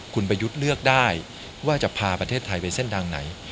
คุณประยุทธ์เลือกได้ว่าจะพาประเทศไทยไปเส้นทางไหน